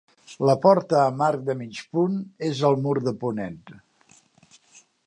La porta amb arc de mig punt és al mur de ponent.